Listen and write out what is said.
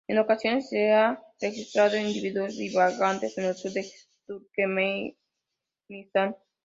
En ocasiones se han registrado individuos divagantes en el sur de Turkmenistán.